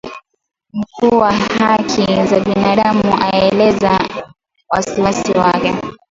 Mkuu wa haki za binadamu alielezea wasiwasi wake